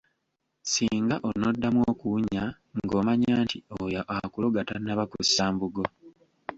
Singa onoddamu okuwunya ng'omanya nti oyo akuloga tannaba kussa mbugo.